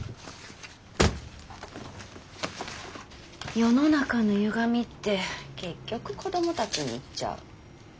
世の中のゆがみって結局子供たちに行っちゃう。